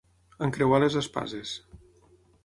Encreuar les espases.